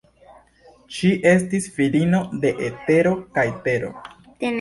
Ŝi estis filino de Etero kaj Tero.